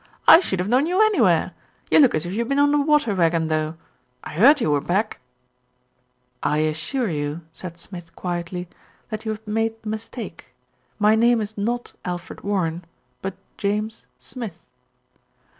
"I should have known you anywhere. You look as if you've been on the water wagon, though. I heard you were back." "I assure you," said Smith quietly, "that you have made a mistake. My name is not Alfred Warren; but James Smith."